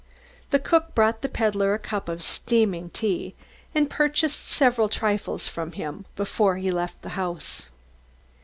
The cook brought the peddler a cup of steaming tea, and purchased several trifles from him, before he left the house.